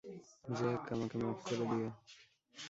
Jack, আমাকে মাফ করে দিও।